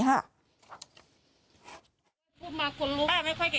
เกิดว่าจะต้องมาตั้งโรงพยาบาลสนามตรงนี้